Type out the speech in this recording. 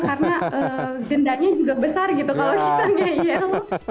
karena dendanya juga besar gitu kalau kita ngeyel